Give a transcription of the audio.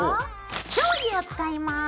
定規を使います。